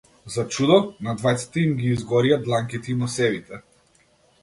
За чудо, на двајцата им ги изгорија дланките и носевите.